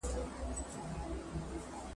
ایوب خان پر کندهار خپله کلابندي ساتلې وه.